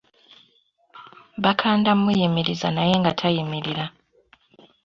Bakanda muyimiriza naye nga tayimirira.